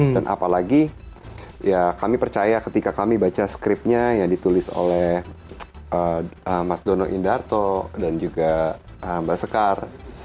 dan apalagi ya kami percaya ketika kami baca skripnya yang ditulis oleh mas dono indarto dan juga mbak sekar